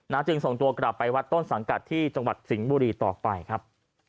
จึงส่งตัวกลับไปวัดต้นสังกัดที่จังหวัดสิงห์บุรีต่อไปครับ